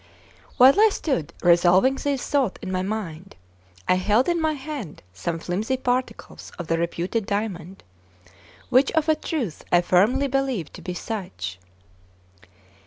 While I stood revolving these thoughts in my mind, I held in my hand some flimsy particles of the reputed diamond, which of a truth I firmly believed to be such.